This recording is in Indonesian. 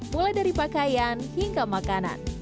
mulai dari pakaian hingga makanan